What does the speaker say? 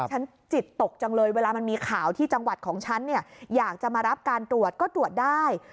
จิตตกจังเลยเวลามันมีข่าวที่จังหวัดของฉันเนี่ยอยากจะมารับการตรวจก็ตรวจได้